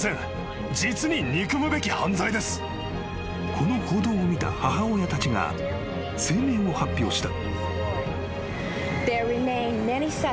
［この報道を見た母親たちが声明を発表した］